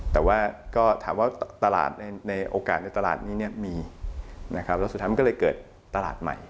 แต่ว่าก็ถามว่าตลาดในโอกาสในตลาดนี้มีนะครับแล้วสุดท้ายมันก็เลยเกิดตลาดใหม่